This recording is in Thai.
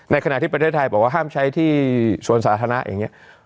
ขณะที่ประเทศไทยบอกว่าห้ามใช้ที่สวนสาธารณะอย่างนี้